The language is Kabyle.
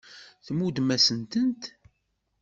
Tmuddem-asen-tent.